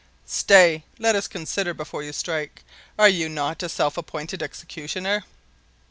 "Stay! Let us consider before you strike. Are you not a self appointed executioner?"